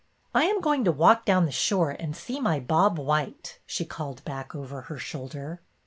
I am going to walk down the shore and see my Bob white," she called back over her shoulder.